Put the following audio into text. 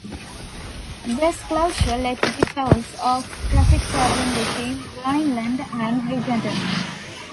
This closure led to detours for traffic traveling between Vineland and Bridgeton.